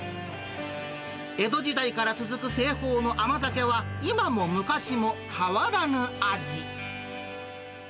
江戸時代から続く製法の甘酒は、今も昔も変わらぬ味。